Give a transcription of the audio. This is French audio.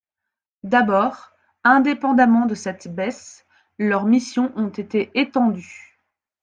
D’abord, indépendamment de cette baisse, leurs missions ont été étendues.